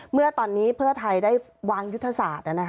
เมื่อตอนนี้เพื่อไทยได้วางยุทธศาสตร์